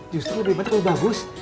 justru lebih baik kalau bagus